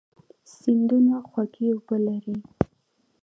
سیندونه خوږې اوبه لري.